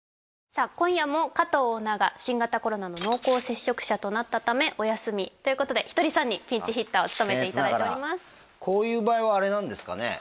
さあ今夜も加藤オーナーが新型コロナの濃厚接触者となったためお休みということでひとりさんにピンチヒッターを僭越ながらこういう場合はあれなんですかね？